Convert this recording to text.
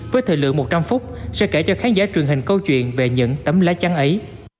với thời lượng một trăm linh phút sẽ kể cho khán giả truyền hình câu chuyện về những tấm lá chắn ấy